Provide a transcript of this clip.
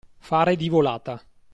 Fare di volata.